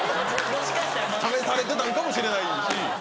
試されてたんかもしれないし。